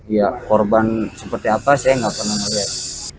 ya korban seperti apa saya nggak pernah melihat